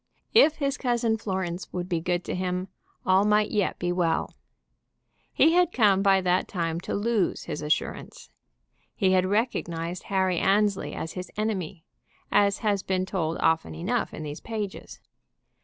If his cousin Florence would be good to him all might yet be well. He had come by that time to lose his assurance. He had recognized Harry Annesley as his enemy, as has been told often enough in these pages.